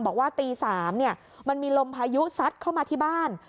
บอกว่าตี๓มันมีลมพายุซัดเข้ามาที่บ้าน